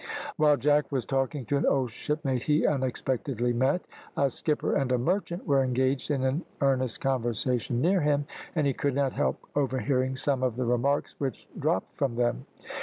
While Jack was talking to an old shipmate he unexpectedly met, a skipper and a merchant were engaged in an earnest conversation near him, and he could not help overhearing some of the remarks which dropped from them.